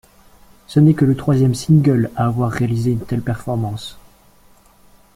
Ce n'est que le troisième single à avoir réalisé une telle performance.